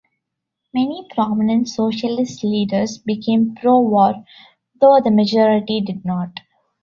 Many prominent Socialist leaders became pro-war, though the majority did not.